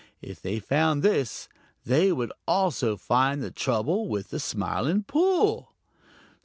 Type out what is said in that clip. If they found this, they would also find the trouble with the Smiling Pool.